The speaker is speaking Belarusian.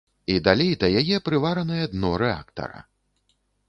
І далей да яе прываранае дно рэактара.